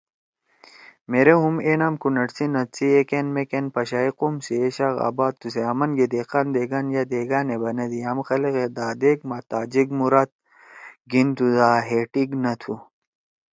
مھیرے ہُم اے نام کونڑ سی نھد سی ایکأن میکأن پشائی قوم سی اے شاخ آباد تُھو سے آمنگے دہقان، دیگان یا دیکان ئے بنَدی۔ یام خلَگے دادیک ما تاجک مراد گھیِنتُو دا ہے ٹیِک نہ تُھو۔